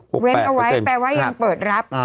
เว้นเอาไว้แปลว่ายังเปิดรับ